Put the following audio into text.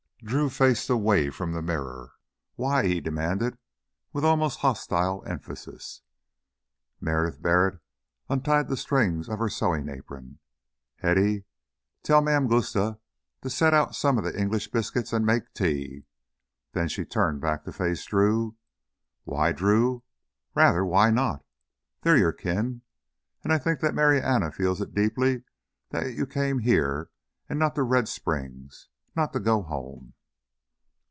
Drew faced away from the mirror. "Why?" he demanded with almost hostile emphasis. Meredith Barrett untied the strings of her sewing apron. "Hetty, tell Mam Gusta to set out some of the English biscuits and make tea." Then she turned back to face Drew. "Why, Drew? Rather why not? They're your kin, and I think that Marianna feels it deeply that you came here and not to Red Springs. Not to go home...."